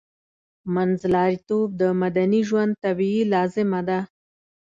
منځلاریتوب د مدني ژوند طبیعي لازمه ده